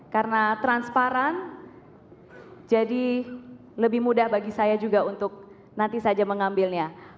karena transparan jadi lebih mudah bagi saya juga untuk nanti saja mengambilnya